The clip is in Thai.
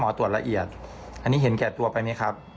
ตรวจละเอียดอันนี้เห็นแก่ตัวไปไหมครับ